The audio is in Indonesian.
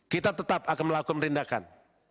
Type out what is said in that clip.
kita tetap akan melakukan perindakan